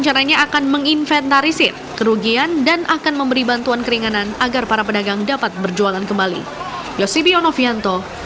jangan jangan jangan